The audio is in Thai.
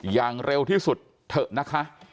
อย่างเร็วที่สุดเถอะนะคะ